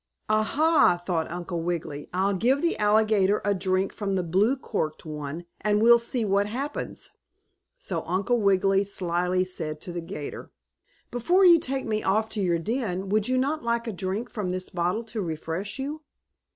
"Ah, ha!" thought Uncle Wiggily. "I'll give the alligator a drink from the blue corked one, and we'll see what happens." So Uncle Wiggily slyly said to the 'gator: "Before you take me off to your den, would you not like a drink from this bottle to refresh you?"